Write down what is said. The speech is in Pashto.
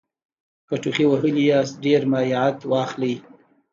که ټوخي وهلي یاست ډېر مایعت واخلئ